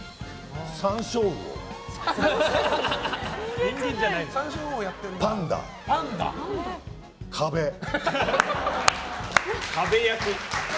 サンショウウオ、パンダ、壁。